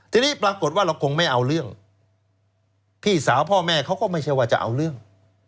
ทีนี้ปรากฏว่าเราคงไม่เอาเรื่องพี่สาวพ่อแม่เขาก็ไม่ใช่ว่าจะเอาเรื่อง